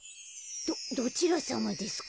どちらさまですか？